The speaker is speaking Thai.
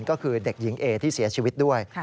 ก็คือเด็กหญิงเอที่เสียชีวิตด้วย